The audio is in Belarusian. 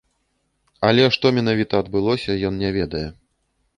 Але што менавіта адбылося, ён не ведае.